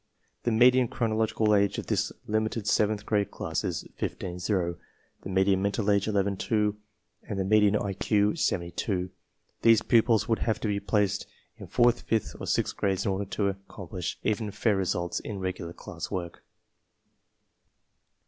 The me dian chronological age of this limited seventh grade class is 15 0, the median mental age 11 2, and the median IQ 72. These pupils would have to be placed in fourth, fifth, and sixth grades in order to accom plish even fair results in regular class work.